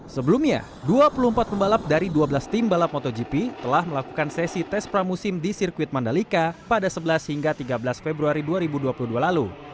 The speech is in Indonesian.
sebelumnya dua puluh empat pembalap dari dua belas tim balap motogp telah melakukan sesi tes pramusim di sirkuit mandalika pada sebelas hingga tiga belas februari dua ribu dua puluh dua lalu